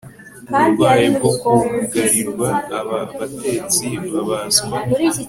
uburwayi bwo kugugarirwa Aba batetsi babaswa